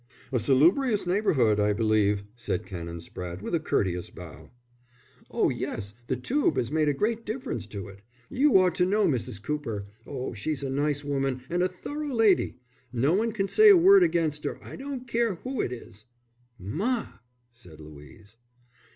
"A salubrious neighbourhood, I believe," said Canon Spratte, with a courteous bow. "Oh, yes, the tube 'as made a great difference to it. You ought to know Mrs. Cooper. Oh, she's a nice woman and a thorough lady. No one can say a word against 'er, I don't care who it is!" "Ma!" said Louise.